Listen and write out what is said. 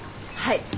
はい。